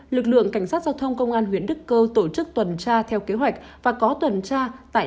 lực lượng cảnh sát giao thông công an huyện đức cơ tổ chức tuần tra theo kế hoạch và có tuần tra tại